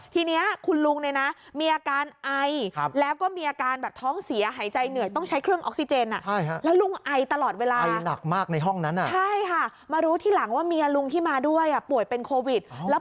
ทีนี้คุณลุงนี่นะมีอาการไอ